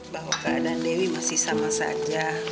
bahwa keadaan dewi masih sama saja